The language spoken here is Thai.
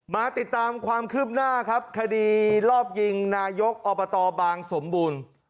มาติดตามความคืบหน้าครับคดีรอบยิงนายกอบตบางสมบูรณ์